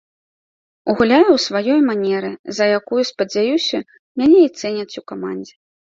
Гуляю ў сваёй манеры, за якую, спадзяюся, мяне і цэняць у камандзе.